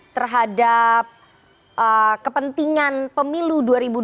terhadap kepentingan pemilu dua ribu dua puluh